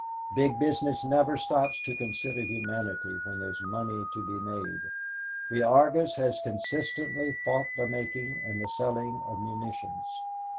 Big Business never stops to consider humanity when there's money to be made. The Argus has consistently fought the making and the selling of munitions.